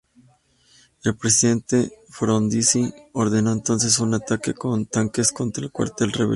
El presidente Frondizi ordenó entonces un ataque con tanques contra el cuartel rebelde.